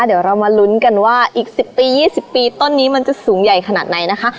เดี๋ยวเรามาลุ้นกันว่าอีก๑๐ปี๒๐ปีต้นนี้มันจะสูงใหญ่ขนาดไหนนะคะ